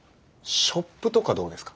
ショップとかどうですか？